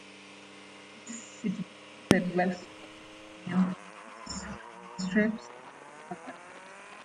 It distributed lifestyle and opinion columns, comic strips and other content.